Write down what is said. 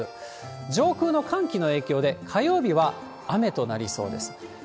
上空の寒気の影響で、火曜日は雨となりそうです。